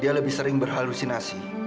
dia lebih sering berhalusinasi